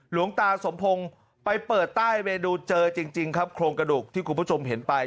หลวงตาสมพงศ์ไปเปิดใต้เมนูเจอจริงครับโครงกระดูกที่คุณผู้ชมเห็นไป